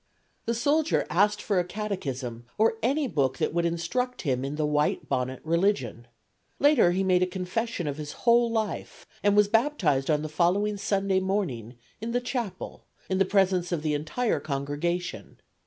The soldier asked for a catechism or any book that would instruct him in the white bonnet religion. Later he made a confession of his whole life and was baptized on the following Sunday morning in the chapel in the presence of the entire congregation.